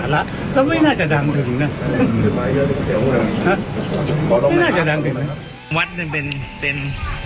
ก็ไม่น่าจะดังถึงนะฮะไม่น่าจะดังถึงนะวัดเป็นเป็นเป็น